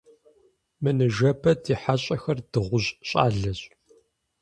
Мы ныжэбэ ди хьэщӀахэр дыгъужь щӀалэщ.